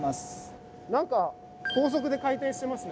何か高速で回転してますね。